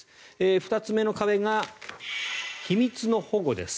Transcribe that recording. ２つ目の壁が秘密の保護です。